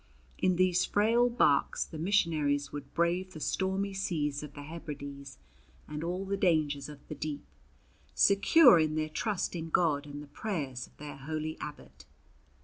In these frail barks the missionaries would brave the stormy seas of the Hebrides and all the dangers of the deep, secure in their trust in God and the prayers of their holy abbot.